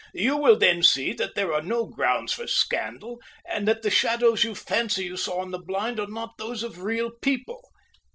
You will then see that there are no grounds for scandal, and that the shadows you fancy you saw on the blind are not those of real people."